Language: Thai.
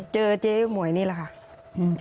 เจอเจ๊หมวยนี่แหละค่ะ